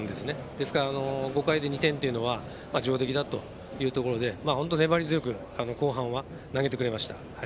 ですから、５回で２点というのは上出来だというところで本当に粘り強く後半は投げてくれました。